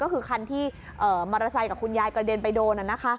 ก็คือคันที่มอเตอร์ไซค์กับคุณยายกระเด็นไปโดน